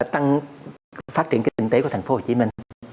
tăng phát triển kinh tế của thành phố hồ chí minh